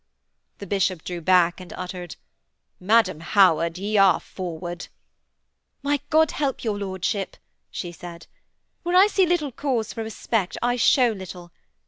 The bishop drew back, and uttered: 'Madam Howard, ye are forward.' 'Why, God help your lordship,' she said. 'Where I see little course for respect I show little.